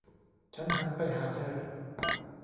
ฉันหันไปหาเธอ